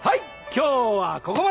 今日はここまで！